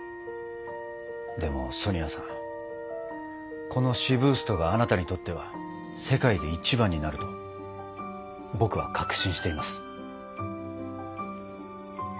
でもソニアさんこのシブーストがあなたにとっては世界で一番になると僕は確信しています。